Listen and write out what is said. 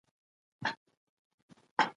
ایا ته نوښتګر فعالیتونه خوښوې؟